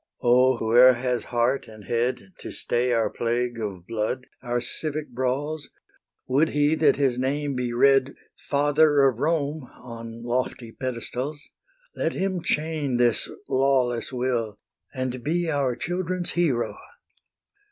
O, whoe'er has heart and head To stay our plague of blood, our civic brawls, Would he that his name be read "Father of Rome" on lofty pedestals, Let him chain this lawless will, And be our children's hero!